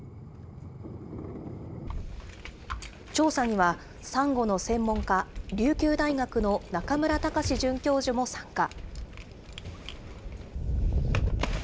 調査には、サンゴの専門家、琉球大学の中村崇准教授も参加。